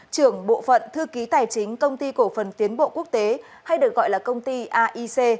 trưởng bộ phận thư ký tài chính công ty cổ phần tiến bộ quốc tế hay được gọi là công ty aic